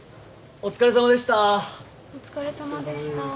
お疲れさまでした。